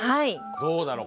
どうだろう？